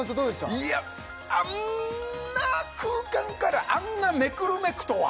いやあんな空間からあんなめくるめくとは！